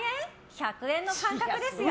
１００円の感覚ですよ。